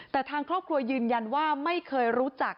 แต่ทางครอบครัวยืนยันว่าไม่เคยรู้จัก